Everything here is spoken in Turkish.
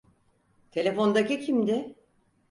Telefondaki kimdi?